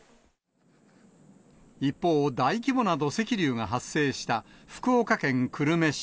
一方、大規模な土石流が発生した福岡県久留米市。